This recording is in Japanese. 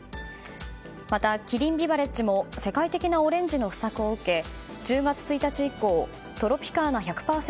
また、キリンビバレッジも世界的なオレンジの不作を受け１０月１日以降トロピカーナ１００％